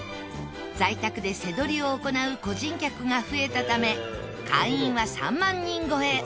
在宅でせどりを行う個人客が増えたため会員は３万人超え。